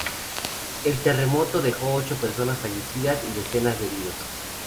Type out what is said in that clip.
El terremoto dejó ocho personas fallecidas y decenas de heridos.